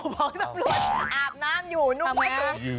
สำรวจอาบน้ำอยู่